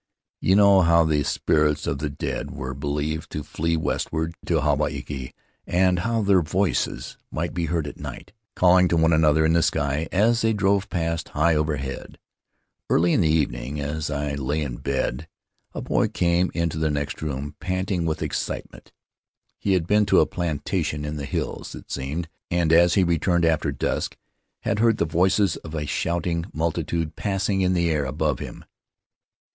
You know how the spirits of the dead were believed to flee westward, to Hawaiki, and how their voices might be heard at night, calling to one another in the sky, as they drove past, high overhead. Early in the evening, as I lay in bed, a boy came into the next room, panting with excite ment. He had been to a plantation in the hills, it seemed, and as he returned, just after dusk, had heard the voices of a shouting multitude passing in the air above him.